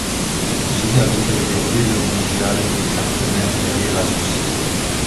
Gigabyte est aujourd'hui le mondial de cartes mères derrière Asus.